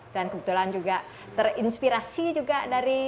dan kebetulan juga terinspirasi juga dari